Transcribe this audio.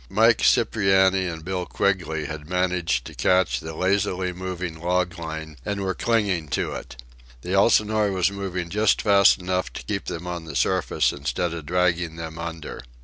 Mike Cipriani and Bill Quigley had managed to catch the lazily moving log line and were clinging to it. The Elsinore was moving just fast enough to keep them on the surface instead of dragging them under.